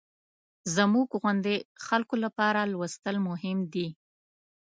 زموږ غوندې خلکو لپاره لوستل مهم دي.